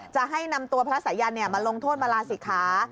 จะให้นำตัวพระสายันมาลงโทษมาลาศิกขา